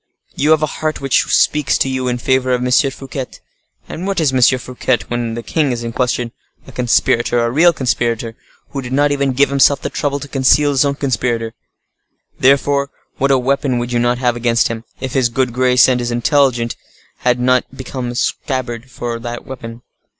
You have a heart which speaks to you in favor of M. Fouquet. And what is M. Fouquet, when the king is in question?—A conspirator, a real conspirator, who did not even give himself the trouble to conceal his being a conspirator; therefore, what a weapon would you not have against him, if his good grace, and his intelligence had not made a scabbard for that weapon.